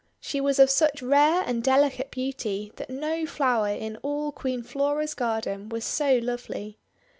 She was of such rare and delicate beauty that no flower in all Queen Flora's garden was so lovely.